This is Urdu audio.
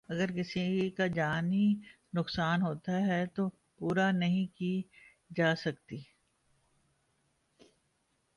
اگر کسی کا جانی نقصان ہوتا ہے تو پورا نہیں کی جا سکتی